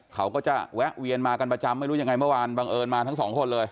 เขาก็จะแวะเวียนมากันประจำไม่รู้ยังไงเมื่อวานบังเอิญมาทั้งสองคนเลย